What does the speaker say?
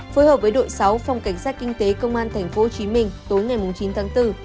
phối hợp với đội sáu phòng cảnh sát kinh tế công an thành phố hồ chí minh tối ngày chín tháng bốn